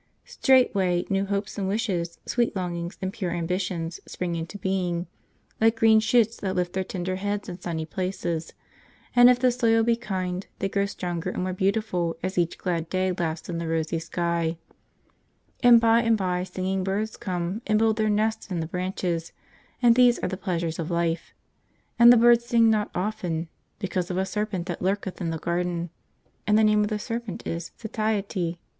Straightway new hopes and wishes, sweet longings and pure ambitions, spring into being, like green shoots that lift their tender heads in sunny places; and if the soil be kind, they grow stronger and more beautiful as each glad day laughs in the rosy skies. And by and by singing birds come and build their nests in the branches; and these are the pleasures of life. And the birds sing not often, because of a serpent that lurketh in the garden. And the name of the serpent is Satiety.